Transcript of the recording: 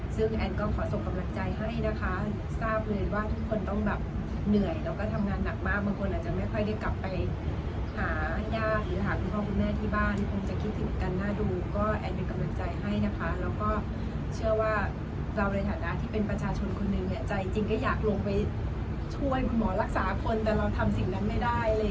ซึ่งแอนก็ขอส่งกำลังใจให้นะคะทราบเลยว่าทุกคนต้องแบบเหนื่อยแล้วก็ทำงานหนักมากบางคนอาจจะไม่ค่อยได้กลับไปหาญาติหรือหาคุณพ่อคุณแม่ที่บ้านคงจะคิดถึงกันน่าดูก็แอนเป็นกำลังใจให้นะคะแล้วก็เชื่อว่าเราในฐานะที่เป็นประชาชนคนหนึ่งเนี่ยใจจริงก็อยากลงไปช่วยคุณหมอรักษาคนแต่เราทำสิ่งนั้นไม่ได้